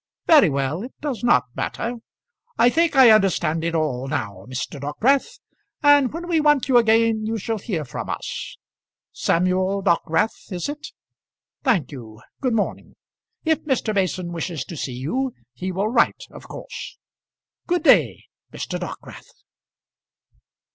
Very well; it does not matter. I think I understand it all now, Mr. Dockwrath; and when we want you again, you shall hear from us. Samuel Dockwrath, is it? Thank you. Good morning. If Mr. Mason wishes to see you, he will write, of course. Good day, Mr. Dockwrath."